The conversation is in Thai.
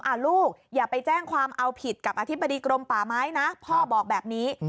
ลูกอย่าไปแจ้งความเอาผิดกับอธิบดีกรมป่าไม้นะพ่อบอกแบบนี้